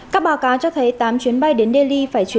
các báo cáo cho thấy tám chuyến bay đến delhi phải chuẩn bị